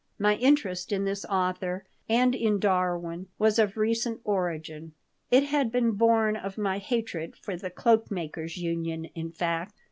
My interest in this author and in Darwin was of recent origin. It had been born of my hatred for the Cloak makers' Union, in fact.